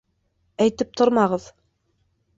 Әйтеп тормағыҙ!